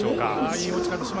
いい落ち方です。